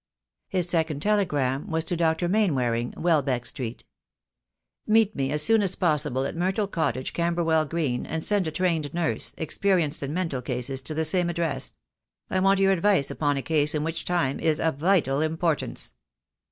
His second telegram was to Dr. Mainwaring, Welbeck Street: — "Meet me as soon as possible at Myrtle Cottage, Camberwell Green, and send a trained nurse, experienced in mental cases, to the same address. I want your ad vice upon a case in which time is of vital importance."